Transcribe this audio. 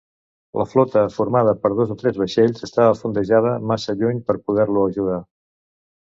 La flota, formada per dos o tres vaixells, estava fondejada massa lluny per poder-lo ajudar.